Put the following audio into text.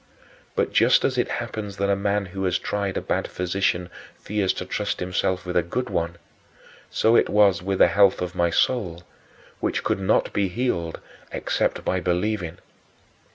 But, just as it happens that a man who has tried a bad physician fears to trust himself with a good one, so it was with the health of my soul, which could not be healed except by believing.